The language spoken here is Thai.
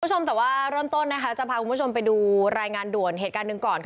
คุณผู้ชมแต่ว่าเริ่มต้นจะพาคุณผู้ชมไปดูรายงานด่วนเหตุการณ์หนึ่งก่อนค่ะ